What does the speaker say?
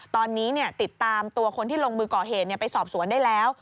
ตอนนี้ติดตามตัวคนที่ลงมือก่อเหตุไปสอบสวนได้แล้ว